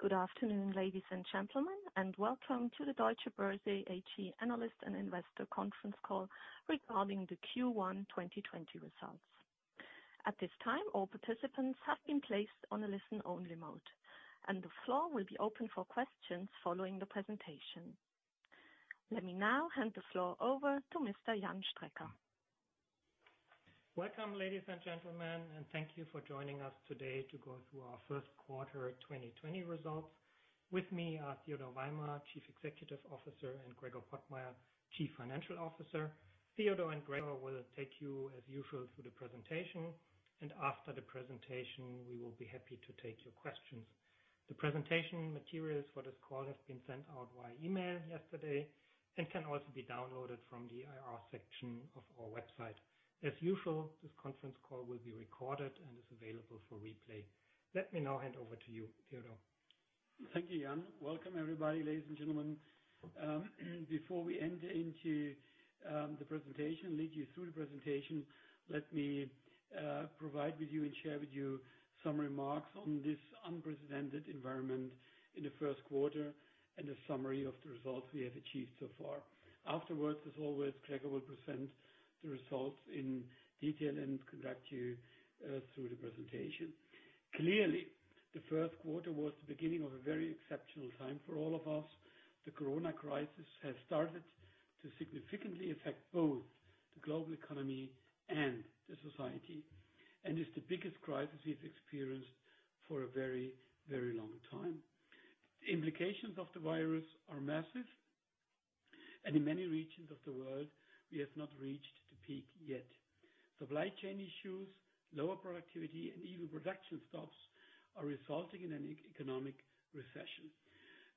Good afternoon, ladies and gentlemen, and welcome to the Deutsche Börse AG analyst and investor conference call regarding the Q1 2020 results. At this time, all participants have been placed on a listen-only mode, and the floor will be open for questions following the presentation. Let me now hand the floor over to Mr. Jan Strecker. Welcome, ladies and gentlemen, and thank you for joining us today to go through our first quarter 2020 results. With me are Theodor Weimer, Chief Executive Officer, and Gregor Pottmeyer, Chief Financial Officer. Theodor and Gregor will take you, as usual, through the presentation, and after the presentation, we will be happy to take your questions. The presentation materials for this call have been sent out via email yesterday and can also be downloaded from the IR section of our website. As usual, this conference call will be recorded and is available for replay. Let me now hand over to you, Theodor. Thank you, Jan. Welcome everybody, ladies and gentlemen. Before we enter into the presentation, lead you through the presentation, let me provide with you and share with you some remarks on this unprecedented environment in the first quarter and a summary of the results we have achieved so far. Afterwards, as always, Gregor will present the results in detail and conduct you through the presentation. Clearly, the first quarter was the beginning of a very exceptional time for all of us. The Corona crisis has started to significantly affect both the global economy and the society, and it's the biggest crisis we've experienced for a very long time. The implications of the virus are massive, and in many regions of the world, we have not reached the peak yet. Supply chain issues, lower productivity, and even production stops are resulting in an economic recession.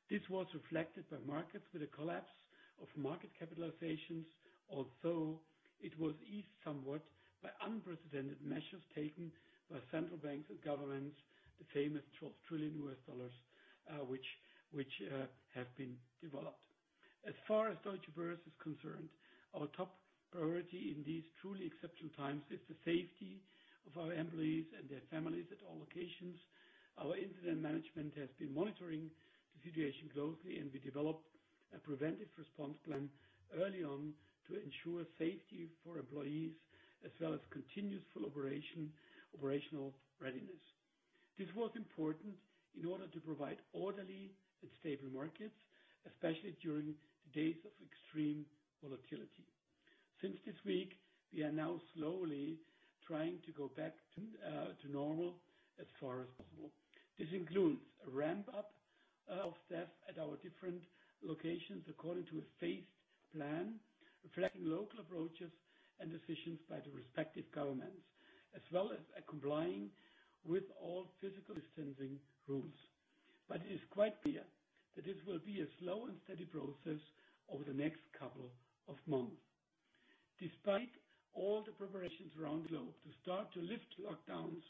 This was reflected by markets with a collapse of market capitalizations, although it was eased somewhat by unprecedented measures taken by central banks and governments, the famous $12 trillion, which have been developed. As far as Deutsche Börse is concerned, our top priority in these truly exceptional times is the safety of our employees and their families at all locations. Our incident management has been monitoring the situation closely, and we developed a preventive response plan early on to ensure safety for employees as well as continuous full operational readiness. This was important in order to provide orderly and stable markets, especially during the days of extreme volatility. Since this week, we are now slowly trying to go back to normal as far as possible. This includes a ramp-up of staff at our different locations according to a phased plan, reflecting local approaches and decisions by the respective governments, as well as complying with all physical distancing rules. It is quite clear that this will be a slow and steady process over the next couple of months. Despite all the preparations around the globe to start to lift lockdowns,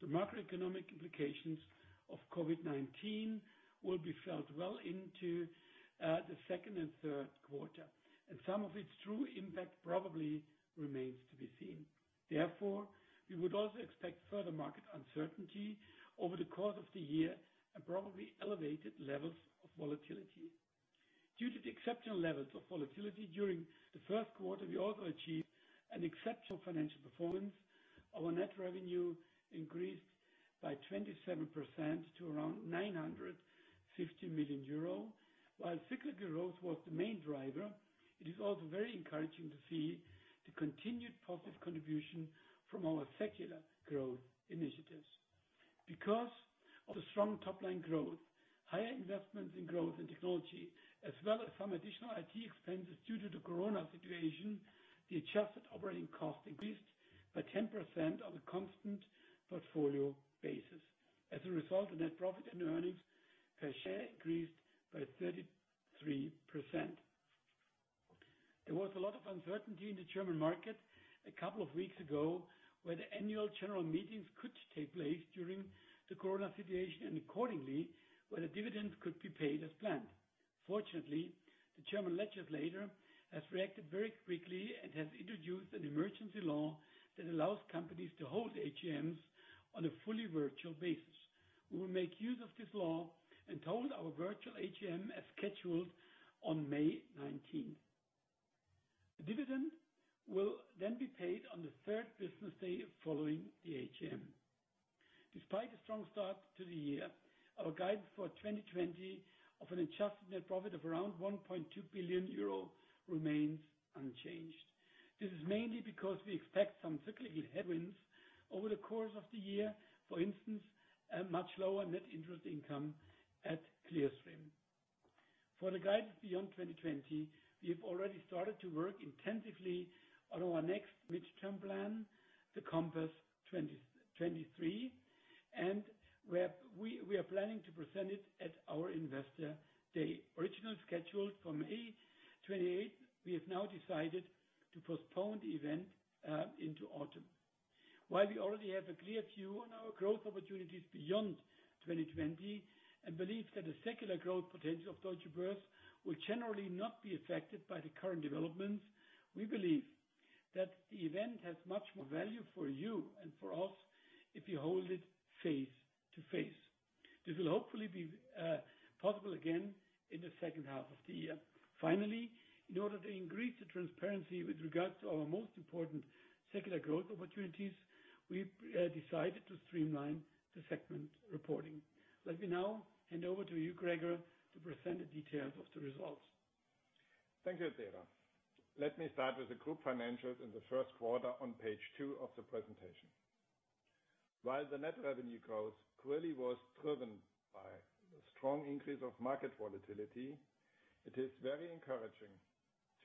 the macroeconomic implications of COVID-19 will be felt well into the second and third quarter, and some of its true impact probably remains to be seen. We would also expect further market uncertainty over the course of the year and probably elevated levels of volatility. Due to the exceptional levels of volatility during the first quarter, we also achieved an exceptional financial performance. Our net revenue increased by 27% to around 950 million euro. While cyclical growth was the main driver, it is also very encouraging to see the continued positive contribution from our secular growth initiatives. Because of the strong top-line growth, higher investments in growth and technology, as well as some additional IT expenses due to the Corona situation, the adjusted operating cost increased by 10% on a constant portfolio basis. As a result, the net profit and earnings per share increased by 33%. There was a lot of uncertainty in the German market a couple of weeks ago, whether annual general meetings could take place during the Corona situation and accordingly, whether dividends could be paid as planned. Fortunately, the German legislator has reacted very quickly and has introduced an emergency law that allows companies to hold AGMs on a fully virtual basis. We will make use of this law and hold our virtual AGM as scheduled on May 19. The dividend will be paid on the third business day following the AGM. Despite a strong start to the year, our guidance for 2020 of an adjusted net profit of around 1.2 billion euro remains unchanged. This is mainly because we expect some cyclical headwinds over the course of the year, for instance, a much lower net interest income at Clearstream. For the guidance beyond 2020, we have already started to work intensively on our next midterm plan, the Compass 2023, and we are planning to present it at our Investor Day. Originally scheduled for May 28th, we have now decided to postpone the event into autumn. While we already have a clear view on our growth opportunities beyond 2020 and believe that the secular growth potential of Deutsche Börse will generally not be affected by the current developments, we believe that the event has much more value for you and for us if we hold it face-to-face. This will hopefully be possible again in the second half of the year. In order to increase the transparency with regards to our most important secular growth opportunities, we decided to streamline the segment reporting. Let me now hand over to you, Gregor, to present the details of the results. Thank you, Theodor. Let me start with the group financials in the first quarter on page two of the presentation. While the net revenue growth clearly was driven by the strong increase of market volatility, it is very encouraging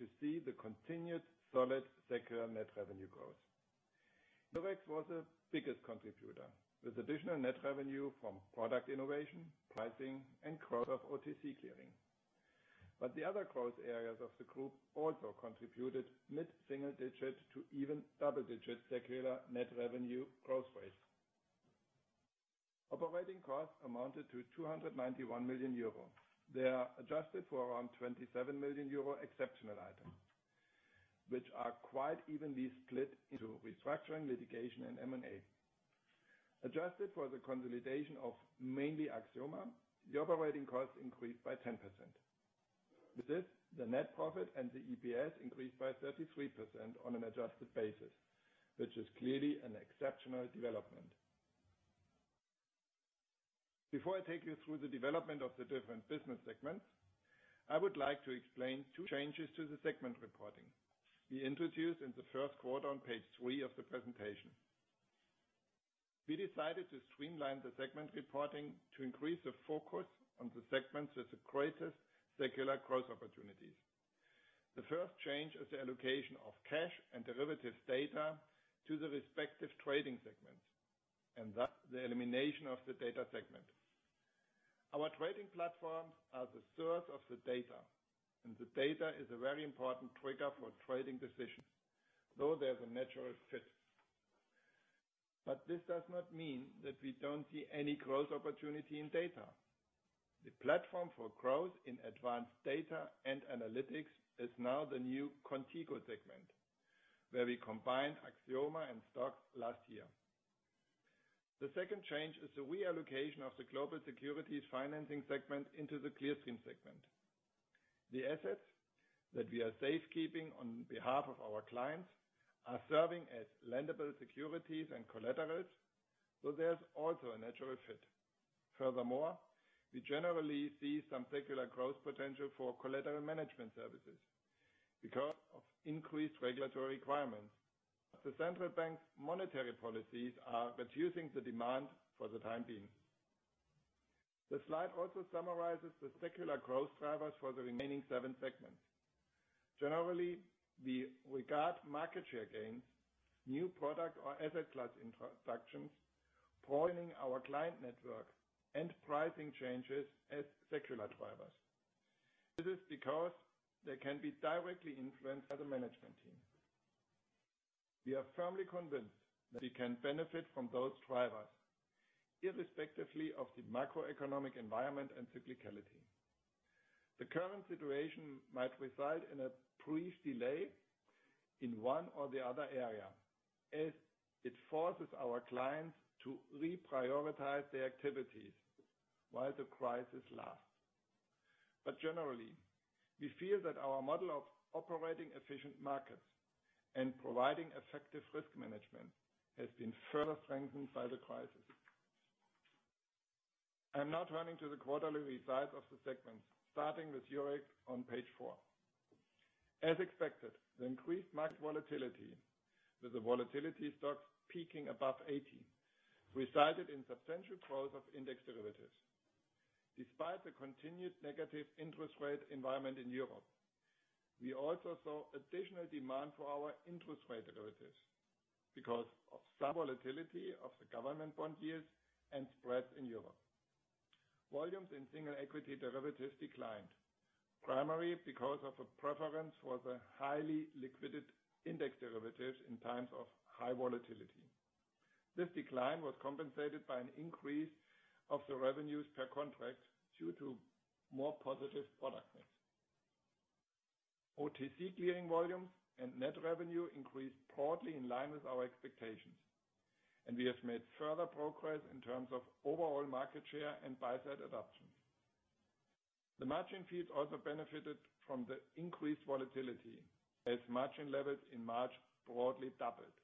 to see the continued solid secular net revenue growth. Eurex was the biggest contributor, with additional net revenue from product innovation, pricing, and growth of OTC clearing. The other growth areas of the group also contributed mid-single digit to even double-digit secular net revenue growth rates. Operating costs amounted to 291 million euro. They are adjusted for around 27 million euro exceptional items, which are quite evenly split into restructuring, litigation, and M&A. Adjusted for the consolidation of mainly Axioma, the operating costs increased by 10%. With this, the net profit and the EPS increased by 33% on an adjusted basis, which is clearly an exceptional development. Before I take you through the development of the different business segments, I would like to explain two changes to the segment reporting we introduced in the first quarter on page three of the presentation. We decided to streamline the segment reporting to increase the focus on the segments with the greatest secular growth opportunities. The first change is the allocation of cash and derivatives data to the respective trading segments, and thus the elimination of the data segment. Our trading platforms are the source of the data, and the data is a very important trigger for trading decisions, though they're a natural fit. This does not mean that we don't see any growth opportunity in data. The platform for growth in advanced data and analytics is now the new Qontigo segment, where we combined Axioma and STOXX last year. The second change is the reallocation of the global securities financing segment into the Clearstream segment. The assets that we are safekeeping on behalf of our clients are serving as lendable securities and collaterals, so there's also a natural fit. Furthermore, we generally see some secular growth potential for collateral management services because of increased regulatory requirements. The central bank's monetary policies are reducing the demand for the time being. The slide also summarizes the secular growth drivers for the remaining seven segments. Generally, we regard market share gains, new product or asset class introductions, growing our client network, and pricing changes as secular drivers. This is because they can be directly influenced by the management team. We are firmly convinced that we can benefit from those drivers, irrespectively of the macroeconomic environment and cyclicality. The current situation might result in a brief delay in one or the other area as it forces our clients to reprioritize their activities while the crisis lasts. Generally, we feel that our model of operating efficient markets and providing effective risk management has been further strengthened by the crisis. I'm now turning to the quarterly results of the segments, starting with Eurex on page four. As expected, the increased market volatility, with the volatility STOXX peaking above 80, resulted in substantial growth of index derivatives. Despite the continued negative interest rate environment in Europe, we also saw additional demand for our interest rate derivatives because of some volatility of the government bond yields and spreads in Europe. Volumes in single equity derivatives declined, primarily because of a preference for the highly liquid index derivatives in times of high volatility. This decline was compensated by an increase of the revenues per contract due to more positive product mix. OTC clearing volumes and net revenue increased broadly in line with our expectations, and we have made further progress in terms of overall market share and buy-side adoption. The margin fees also benefited from the increased volatility as margin levels in March broadly doubled.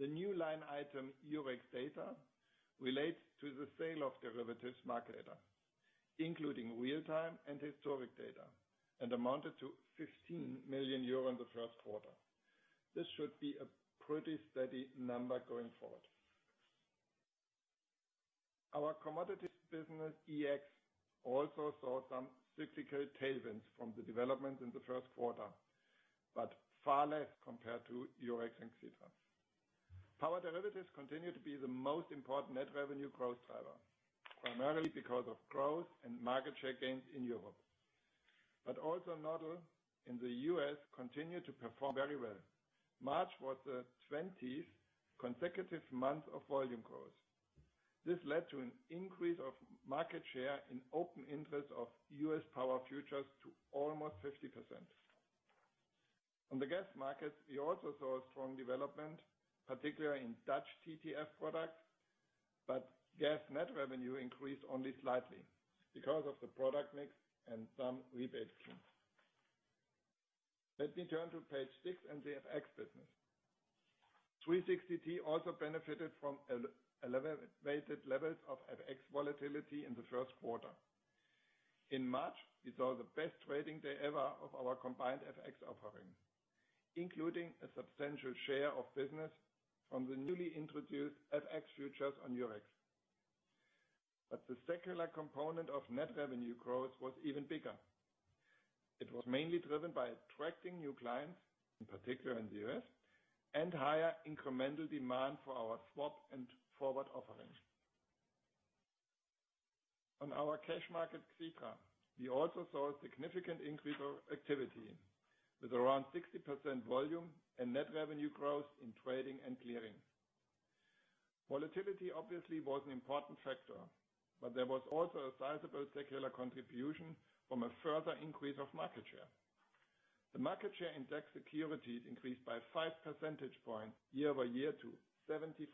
The new line item, Eurex data, relates to the sale of derivatives market data, including real-time and historic data, and amounted to 15 million euro in the first quarter. This should be a pretty steady number going forward. Our commodities business, EEX, also saw some cyclical tailwinds from the development in the first quarter, but far less compared to Eurex and Clearstream. Power derivatives continue to be the most important net revenue growth driver, primarily because of growth and market share gains in Europe. Also, Nodal in the U.S. continued to perform very well. March was the 20th consecutive month of volume growth. This led to an increase of market share in open interest of U.S. power futures to almost 50%. On the gas market, we also saw a strong development, particularly in Dutch TTF products, but gas net revenue increased only slightly because of the product mix and some rebate schemes. Let me turn to page six and the FX business. 360T also benefited from elevated levels of FX volatility in the first quarter. In March, we saw the best trading day ever of our combined FX offering, including a substantial share of business from the newly introduced FX futures on Eurex. The secular component of net revenue growth was even bigger. It was mainly driven by attracting new clients, in particular in the U.S., and higher incremental demand for our swap and forward offerings. On our cash market, Clearstream, we also saw a significant increase of activity with around 60% volume and net revenue growth in trading and clearing. Volatility obviously was an important factor, but there was also a sizable secular contribution from a further increase of market share. The market share in debt securities increased by five percentage points year-over-year to 74%.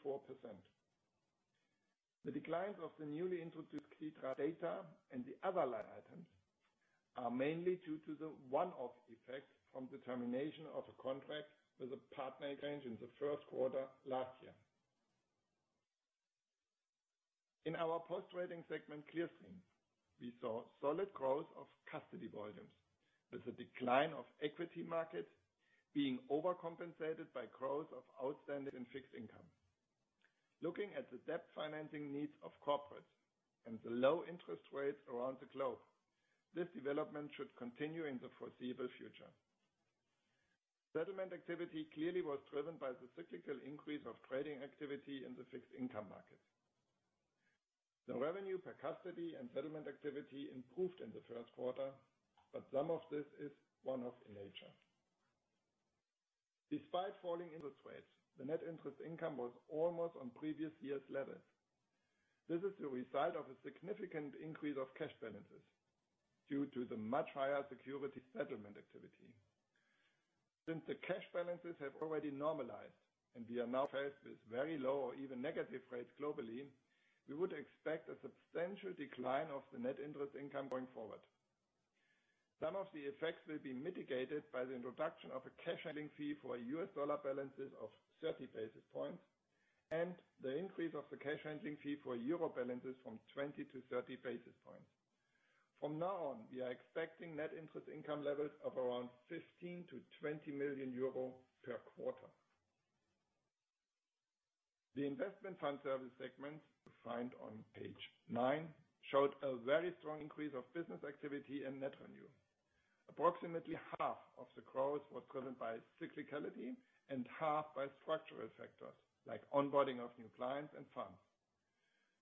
The declines of the newly introduced Clearstream data and the other line items are mainly due to the one-off effect from the termination of a contract with a partner exchange in the first quarter last year. In our post-trading segment, clearing, we saw solid growth of custody volumes with the decline of equity markets being overcompensated by growth of outstanding and fixed income. Looking at the debt financing needs of corporates and the low interest rates around the globe, this development should continue in the foreseeable future. Settlement activity clearly was driven by the cyclical increase of trading activity in the fixed income market. The revenue per custody and settlement activity improved in the first quarter, but some of this is one-off in nature. Despite falling interest rates, the net interest income was almost on previous year's levels. This is the result of a significant increase of cash balances due to the much higher security settlement activity. Since the cash balances have already normalized and we are now faced with very low or even negative rates globally, we would expect a substantial decline of the net interest income going forward. Some of the effects will be mitigated by the introduction of a cash handling fee for USD balances of 30 basis points, and the increase of the cash handling fee for EUR balances from 20 to 30 basis points. From now on, we are expecting net interest income levels of around 15 million-20 million euro per quarter. The Investment Fund Service segment, you find on page nine, showed a very strong increase of business activity and net revenue. Approximately half of the growth was driven by cyclicality and half by structural factors like onboarding of new clients and funds.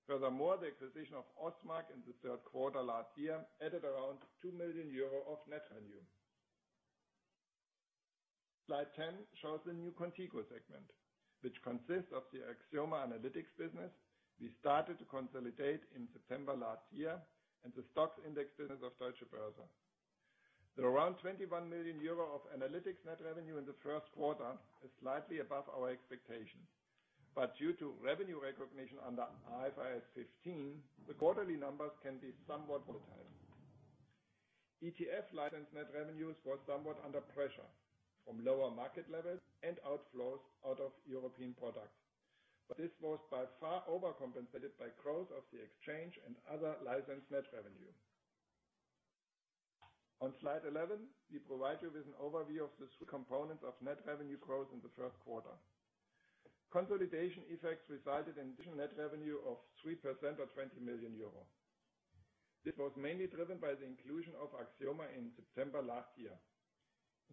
Furthermore, the acquisition of Osmak in the third quarter last year added around 2 million euro of net revenue. Slide 10 shows the new Qontigo segment, which consists of the Axioma Analytics business we started to consolidate in September last year, and the STOXX index business of Deutsche Börse. The around 21 million euro of analytics net revenue in the first quarter is slightly above our expectation, but due to revenue recognition under IFRS 15, the quarterly numbers can be somewhat volatile. ETF license net revenues were somewhat under pressure from lower market levels and outflows out of European products. This was by far overcompensated by growth of the exchange and other licensed net revenue. On slide 11, we provide you with an overview of the three components of net revenue growth in the first quarter. Consolidation effects resulted in net revenue of 3% or 20 million euro. This was mainly driven by the inclusion of Axioma in September last year.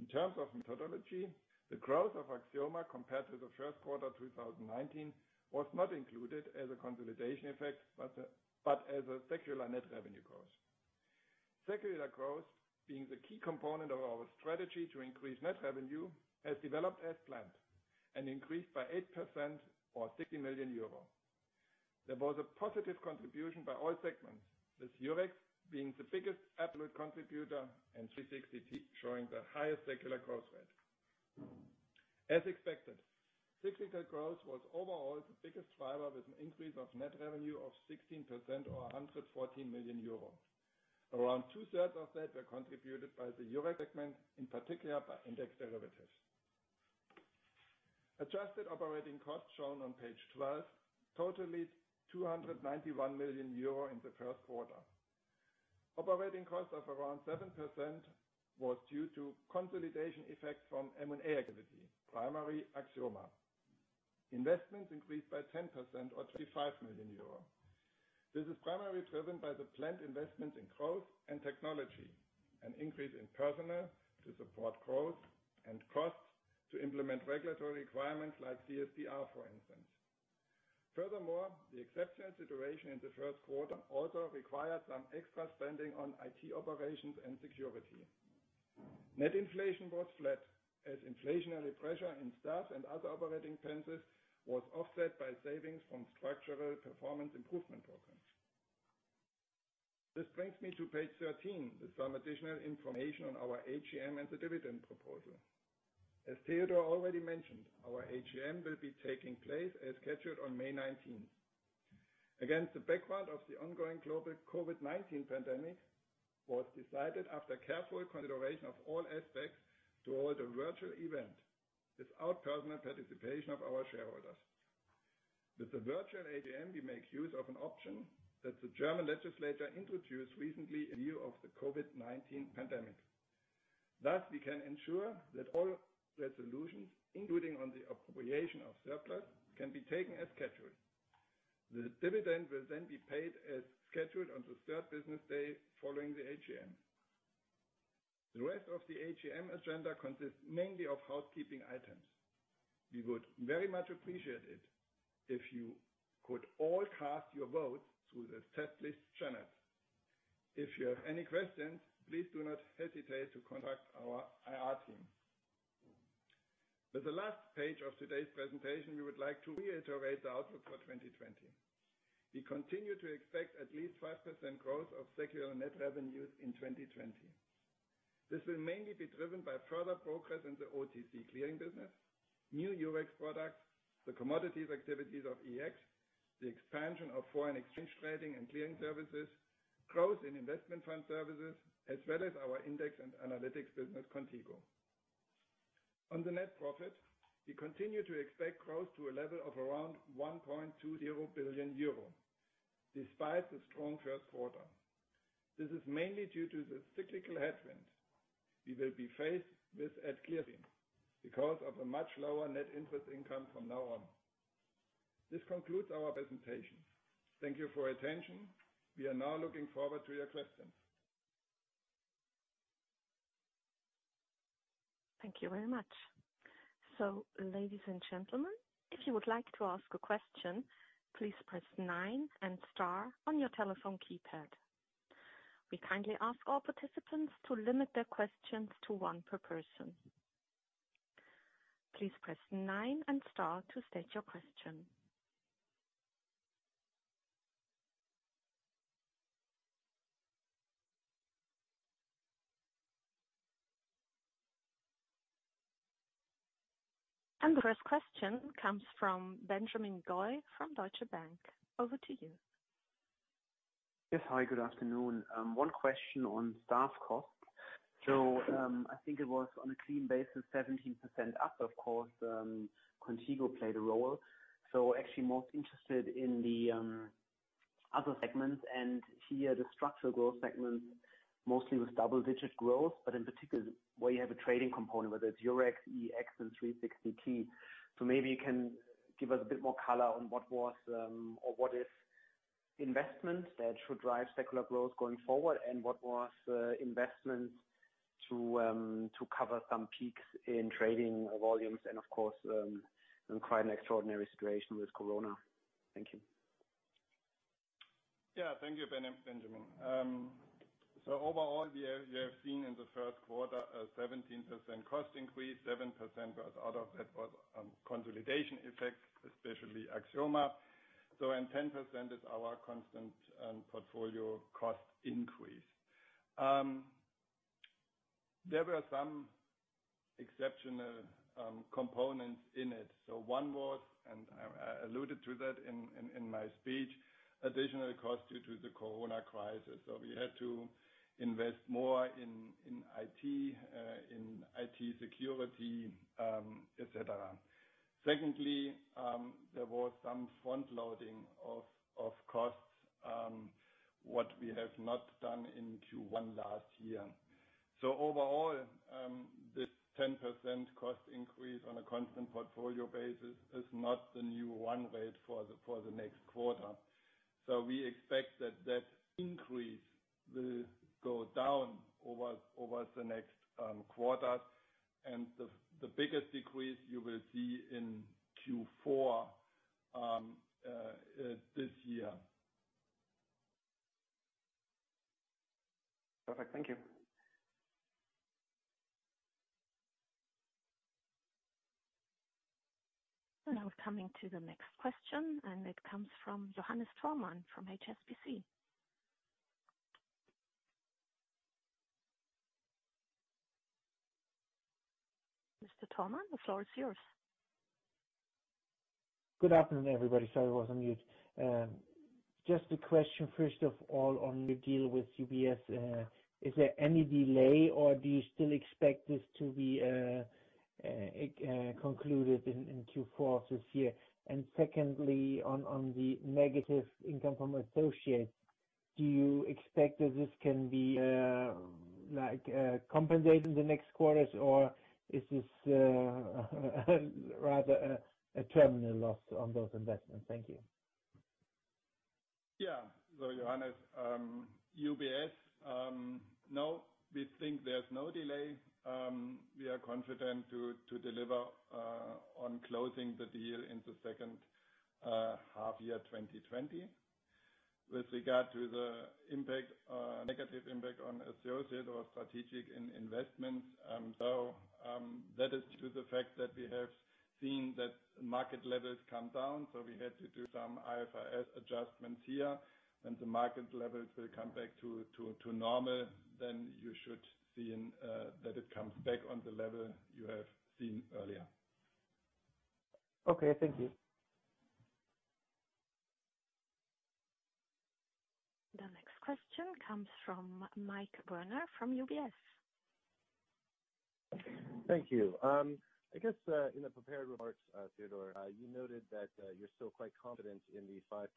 In terms of methodology, the growth of Axioma compared to the first quarter 2019 was not included as a consolidation effect, but as a secular net revenue growth. Secular growth, being the key component of our strategy to increase net revenue, has developed as planned and increased by 8% or 60 million euros. There was a positive contribution by all segments, with Eurex being the biggest absolute contributor and 360T showing the highest secular growth rate. As expected, cyclical growth was overall the biggest driver, with an increase of net revenue of 16% or 114 million euros. Around 2/3 of that were contributed by the Eurex segment, in particular by index derivatives. Adjusted operating costs shown on page 12 total is 291 million euro in the first quarter. Operating cost of around 7% was due to consolidation effects from M&A activity, primarily Axioma. Investments increased by 10% or 35 million euros. This is primarily driven by the planned investment in growth and technology, an increase in personnel to support growth, and costs to implement regulatory requirements like CSDR, for instance. Furthermore, the exceptional situation in the first quarter also required some extra spending on IT operations and security. Net inflation was flat as inflationary pressure in staff and other operating expenses was offset by savings from structural performance improvement programs. This brings me to page 13 with some additional information on our AGM and the dividend proposal. As Theodor already mentioned, our AGM will be taking place as scheduled on May 19th. Against the background of the ongoing global COVID-19 pandemic it was decided after careful consideration of all aspects to hold a virtual event without personal participation of our shareholders. With the virtual AGM, we make use of an option that the German legislature introduced recently in view of the COVID-19 pandemic. Thus, we can ensure that all resolutions, including on the appropriation of surplus, can be taken as scheduled. The dividend will then be paid as scheduled on the third business day following the AGM. The rest of the AGM agenda consists mainly of housekeeping items. We would very much appreciate it if you could all cast your vote through the Online-Service channel. If you have any questions, please do not hesitate to contact our IR team. With the last page of today's presentation, we would like to reiterate the outlook for 2020. We continue to expect at least 5% growth of secular net revenues in 2020. This will mainly be driven by further progress in the OTC clearing business, new Eurex products, the commodities activities of EEX, the expansion of foreign exchange trading and clearing services, growth in investment fund services, as well as our index and analytics business, Qontigo. On the net profit, we continue to expect growth to a level of around 1.20 billion euro, despite the strong first quarter. This is mainly due to the cyclical headwind we will be faced with at clearing, because of a much lower net interest income from now on. This concludes our presentation. Thank you for your attention. We are now looking forward to your questions. Thank you very much. Ladies and gentlemen, if you would like to ask a question, please press nine and star on your telephone keypad. We kindly ask all participants to limit their questions to one per person. Please press nine and star to state your question. The first question comes from Benjamin Goy from Deutsche Bank. Over to you. Yes. Hi, good afternoon. One question on staff costs. I think it was on a clean basis, 17% up, of course, Qontigo played a role. Actually, more interested in the other segments, and here the structural growth segments mostly with double-digit growth, but in particular where you have a trading component, whether it's Eurex, EEX and 360T. Maybe you can give us a bit more color on what was, or what is investment that should drive secular growth going forward, and what was investment to cover some peaks in trading volumes and of course, in quite an extraordinary situation with Corona. Thank you. Yeah. Thank you, Benjamin. Overall, you have seen in the first quarter a 17% cost increase, 7% was out of that was consolidation effects, especially Axioma. In 10% is our constant portfolio cost increase. There were some exceptional components in it. One was, and I alluded to that in my speech, additional cost due to the Corona crisis. We had to invest more in IT, in IT security, et cetera. Secondly, there was some front-loading of costs, what we have not done in Q1 last year. Overall, this 10% cost increase on a constant portfolio basis is not the new run rate for the next quarter. We expect that increase will go down over the next quarter and the biggest decrease you will see in Q4 this year. Perfect. Thank you. Now coming to the next question, it comes from Johannes Thormann from HSBC. Mr. Thormann, the floor is yours. Good afternoon, everybody. Sorry, I was on mute. Just a question, first of all, on your deal with UBS. Is there any delay, or do you still expect this to be concluded in Q4 this year? Secondly, on the negative income from associates, do you expect that this can be compensated in the next quarters, or is this rather a terminal loss on those investments? Thank you. Johannes, UBS, no, we think there's no delay. We are confident to deliver on closing the deal in the second half year 2020. With regard to the negative impact on associate or strategic investments. That is due to the fact that we have seen that market levels come down, so we had to do some IFRS adjustments here. When the market levels will come back to normal, then you should see that it comes back on the level you have seen earlier. Okay, thank you. The next question comes from Mike Werner from UBS. Thank you. I guess, in the prepared remarks, Theodor, you noted that you're still quite confident in the 5%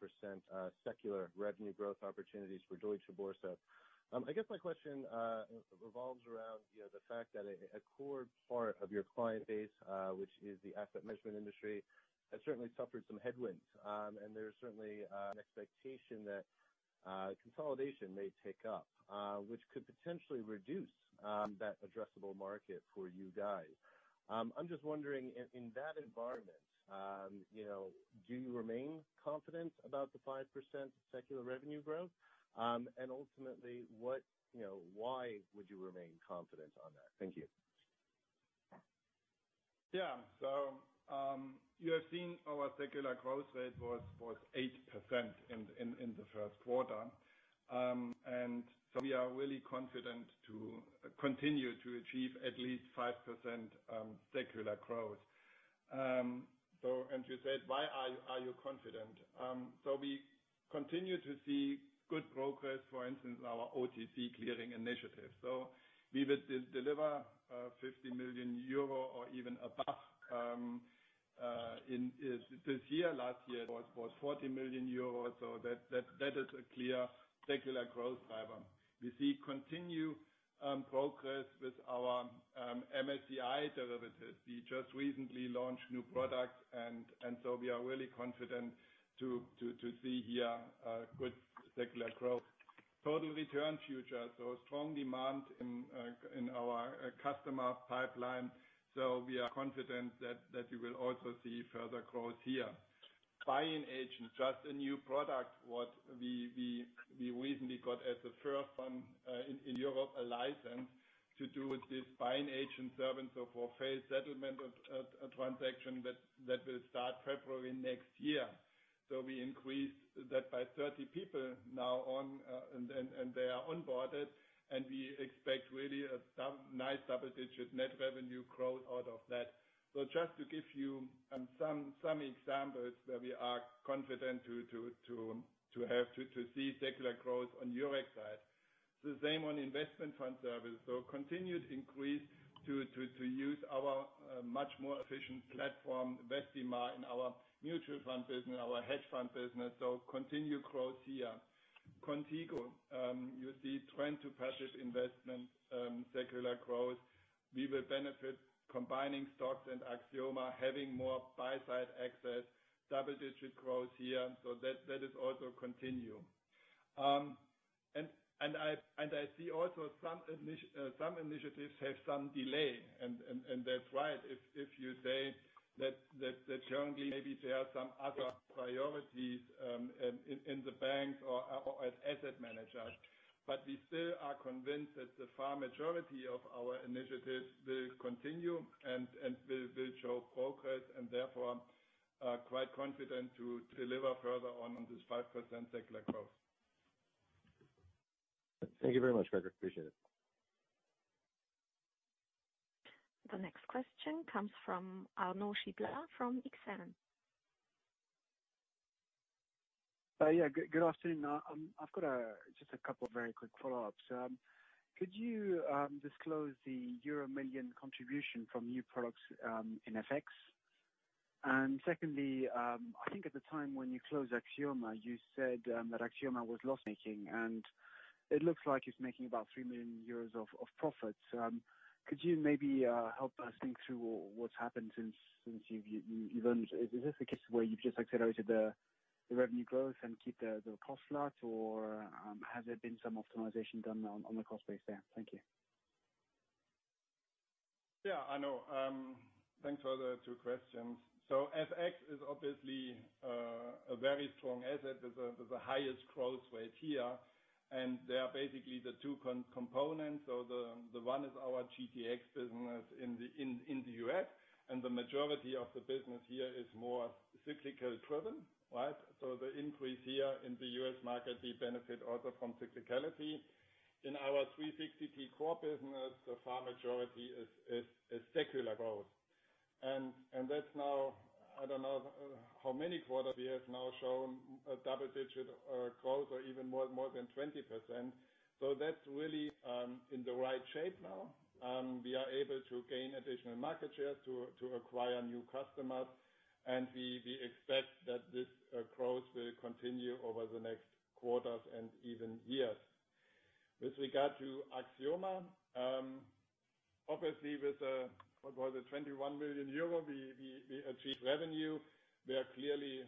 secular revenue growth opportunities for Deutsche Börse. I guess my question revolves around the fact that a core part of your client base, which is the asset management industry, has certainly suffered some headwinds. There's certainly an expectation that consolidation may take up, which could potentially reduce that addressable market for you guys. I'm just wondering, in that environment, do you remain confident about the 5% secular revenue growth? Ultimately, why would you remain confident on that? Thank you. You have seen our secular growth rate was 8% in the first quarter. We are really confident to continue to achieve at least 5% secular growth. You said, "Why are you confident?" We continue to see good progress, for instance, our OTC clearing initiative. We will deliver 50 million euro or even above this year. Last year it was 40 million euros. That is a clear secular growth driver. We see continued progress with our MSCI derivatives. We just recently launched new products. We are really confident to see here a good secular growth. Total return futures, strong demand in our customer pipeline. We are confident that we will also see further growth here. Buy-in agent, just a new product what we recently got as the first one in Europe, a license to do with this buy-in agent service. For failed settlement of a transaction that will start February next year. We increased that by 30 people now on, and they are onboarded, and we expect really a nice double-digit net revenue growth out of that. Just to give you some examples where we are confident to see secular growth on Eurex side. The same on investment fund service. Continued increase to use our much more efficient platform, Vestima, in our mutual fund business, our hedge fund business. Continued growth here. Qontigo, you see trend to purchase investment, secular growth. We will benefit combining STOXX and Axioma, having more buy side access, double-digit growth here. That is also continue. I see also some initiatives have some delay, and that's right. If you say that currently maybe there are some other priorities in the banks or as asset managers. We still are convinced that the far majority of our initiatives will continue and will show progress, and therefore are quite confident to deliver further on this 5% secular growth. Thank you very much, Gregor. Appreciate it. The next question comes from Arnaud Giblat from Exane. Good afternoon. I've got just a couple of very quick follow-ups. Could you disclose the euro million contribution from new products in FX? Secondly, I think at the time when you closed Axioma, you said that Axioma was loss-making, and it looks like it's making about 3 million euros of profits. Could you maybe help us think through what's happened since you've Is this a case where you've just accelerated the revenue growth and keep the cost flat, or has there been some optimization done on the cost base there? Thank you. Yeah, Arnaud. Thanks for the two questions. FX is obviously a very strong asset. There's a highest growth rate here, and there are basically the two components. The one is our GTX business in the U.S., and the majority of the business here is more cyclical-driven. The increase here in the U.S. market, we benefit also from cyclicality. In our 360T core business, the far majority is secular growth. That's now, I don't know how many quarters we have now shown a double-digit growth or even more than 20%. That's really in the right shape now. We are able to gain additional market share to acquire new customers, and we expect that this growth will continue over the next quarters and even years. With regard to Axioma, obviously with, what was it? 21 million euro we achieve revenue. We are clearly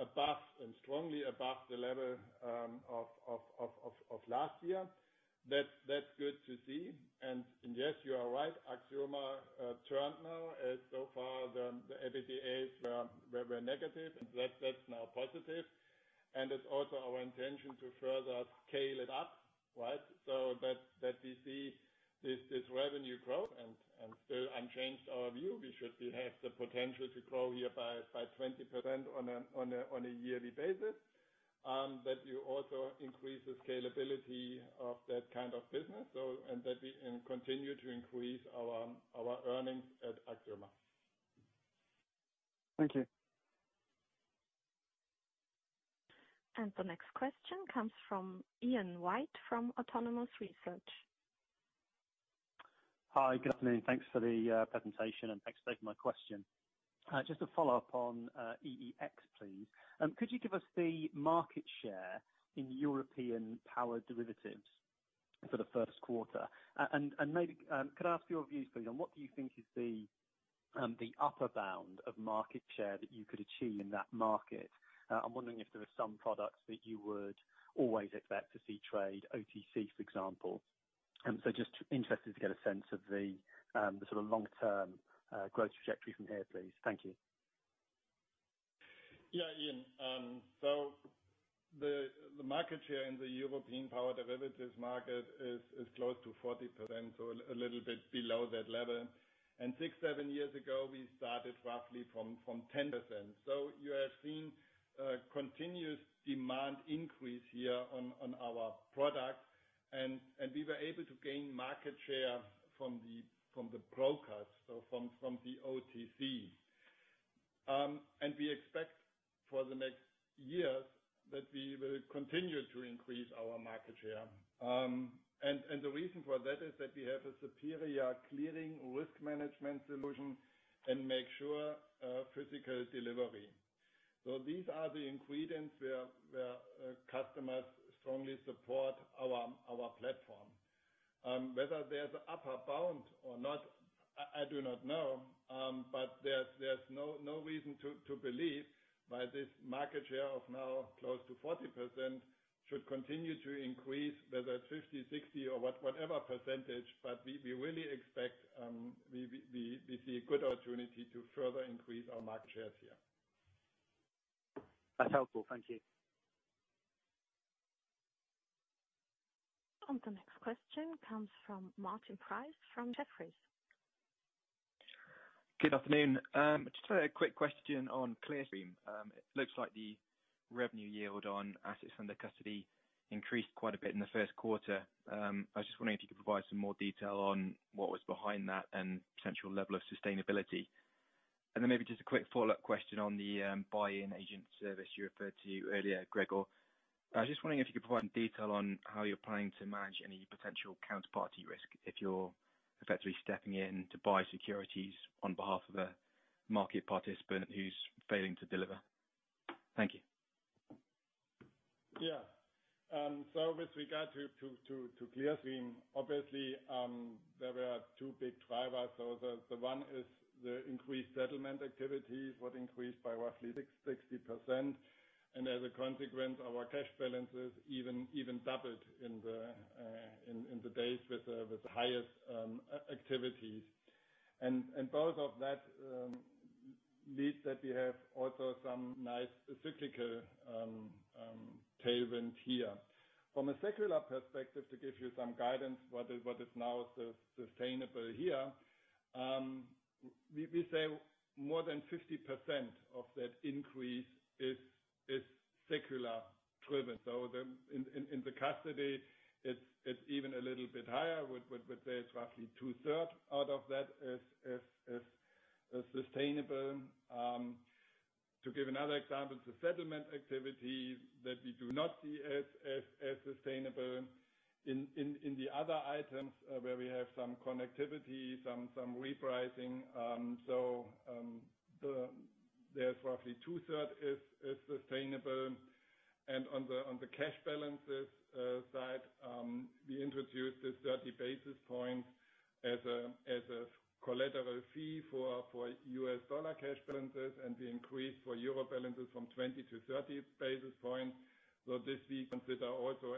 above and strongly above the level of last year. That's good to see. Yes, you are right. Axioma turned now. So far, the EBITDA is very negative. That's now positive. It's also our intention to further scale it up, right? That we see this revenue growth and still unchanged our view, we should have the potential to grow here by 20% on a yearly basis. That you also increase the scalability of that kind of business, and that we continue to increase our earnings at Axioma. Thank you. The next question comes from Ian White from Autonomous Research. Hi. Good afternoon. Thanks for the presentation. Thanks for taking my question. Just a follow-up on EEX, please. Could you give us the market share in European power derivatives for the first quarter? Maybe could I ask your views, please, on what do you think is the upper bound of market share that you could achieve in that market? I'm wondering if there are some products that you would always expect to see trade OTC, for example. Just interested to get a sense of the long-term growth trajectory from here, please. Thank you. Yeah, Ian. The market share in the European power derivatives market is close to 40%, a little bit below that level. Six, seven years ago, we started roughly from 10%. You have seen a continuous demand increase here on our product, and we were able to gain market share from the brokers, from the OTC. We expect for the next years that we will continue to increase our market share. The reason for that is that we have a superior clearing risk management solution and make sure physical delivery. These are the ingredients where customers strongly support our platform. Whether there's upper bound or not, I do not know. There's no reason to believe why this market share of now close to 40% should continue to increase, whether it's 50%, 60% or whatever percentage. We see a good opportunity to further increase our market shares here. That's helpful. Thank you. The next question comes from Martin Price from Jefferies. Good afternoon. Just a quick question on Clearstream. It looks like the revenue yield on assets under custody increased quite a bit in the first quarter. I was just wondering if you could provide some more detail on what was behind that and potential level of sustainability. Maybe just a quick follow-up question on the buy-in agent service you referred to earlier, Gregor. I was just wondering if you could provide detail on how you're planning to manage any potential counterparty risk if you're effectively stepping in to buy securities on behalf of a market participant who's failing to deliver. Thank you. Yeah. With regard to Clearstream, obviously, there were two big drivers. The one is the increased settlement activities, what increased by roughly 60%. As a consequence, our cash balances even doubled in the days with the highest activities. Both of that leads that we have also some nice cyclical tailwind here. From a secular perspective, to give you some guidance, what is now sustainable here, we say more than 50% of that increase is secular-driven. In the custody it's even a little bit higher. We say it's roughly two-third out of that is sustainable. To give another example, the settlement activities that we do not see as sustainable in the other items where we have some connectivity, some repricing. There's roughly 2/3 is sustainable. On the cash balances side, we introduced this 30 basis points as a collateral fee for U.S. dollar cash balances, and we increased for EUR balances from 20 to 30 basis points. This we consider also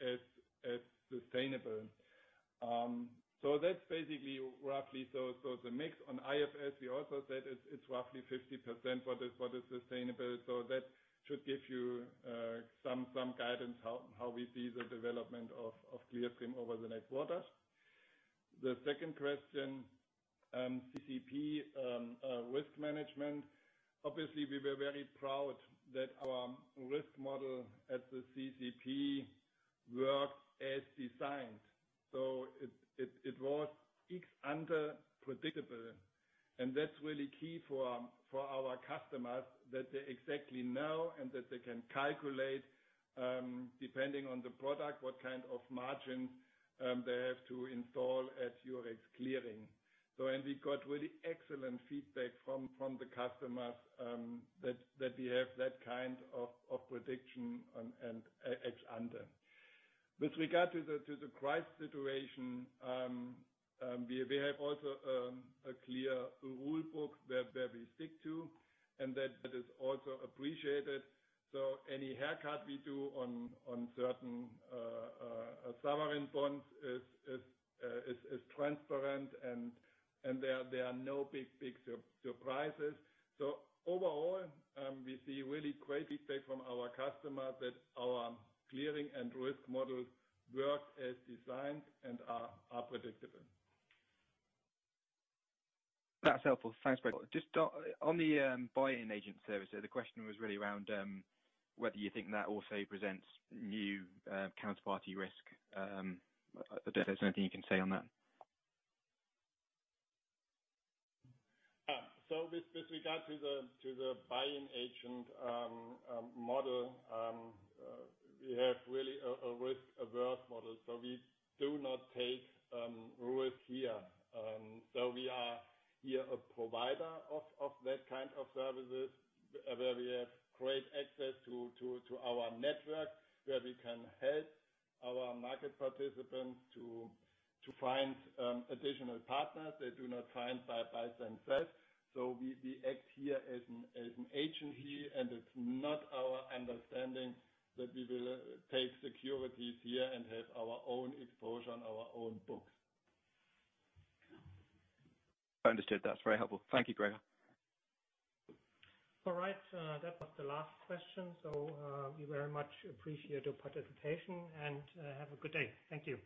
as sustainable. That's basically roughly. The mix on IFS, we also said it's roughly 50% what is sustainable. That should give you some guidance how we see the development of Clearstream over the next quarters. The second question, CCP risk management. Obviously, we were very proud that our risk model at the CCP worked as designed. It was ex-ante predictable, and that's really key for our customers that they exactly know and that they can calculate, depending on the product, what kind of margin they have to install at Eurex Clearing. We got really excellent feedback from the customers that we have that kind of prediction ex-ante. With regard to the price situation, we have also a clear rule book that we stick to and that is also appreciated. Any haircut we do on certain sovereign bonds is transparent, and there are no big surprises. Overall, we see really great feedback from our customers that our clearing and risk models work as designed and are predictable. That's helpful. Thanks, Gregor. Just on the buy-in agent services, the question was really around whether you think that also presents new counterparty risk. I don't know if there's anything you can say on that. With regard to the buy-in agent model, we have really a risk-averse model. We do not take risk here. We are here a provider of that kind of services where we have great access to our network, where we can help our market participants to find additional partners they do not find by themselves. We act here as an agent here, and it's not our understanding that we will take securities here and have our own exposure on our own books. Understood. That's very helpful. Thank you, Gregor. All right. That was the last question. We very much appreciate your participation, and have a good day. Thank you.